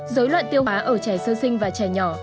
dối loạn tiêu hóa ở trẻ sơ sinh và trẻ nhỏ